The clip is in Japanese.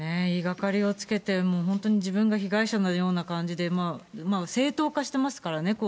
言いがかりをつけて、本当に自分が被害者のような感じで正当化してますからね。